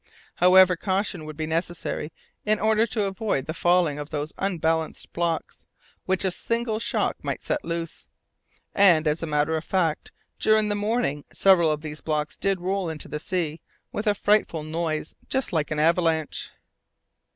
However, caution would be necessary in order to avoid the falling of those unbalanced blocks, which a single shock might set loose. And, as a matter of fact, during the morning, several of these blocks did roll into the sea with a frightful noise just like an avalanche.